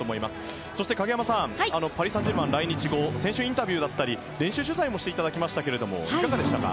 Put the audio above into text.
そして、影山さんパリ・サンジェルマン来日後選手インタビューだったり練習取材もしていただきましたがいかがでしたか。